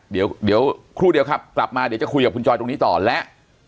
เดี๋ยวครูเดียวครับกลับมาเดี๋ยวจะคุยกับคุณจอยตรงนี้ต่อและ